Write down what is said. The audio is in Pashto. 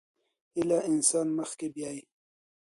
هيله انسان مخکې بيايي.